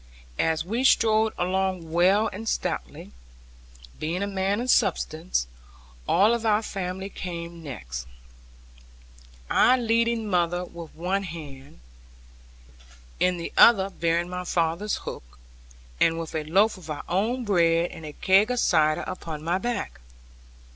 As he strode along well and stoutly, being a man of substance, all our family came next, I leading mother with one hand, in the other bearing my father's hook, and with a loaf of our own bread and a keg of cider upon my back.